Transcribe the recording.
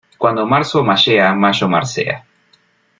Cuando marzo mayea, mayo marcea.